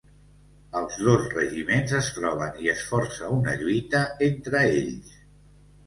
Els dos regiments es troben i es força una lluita entre ells.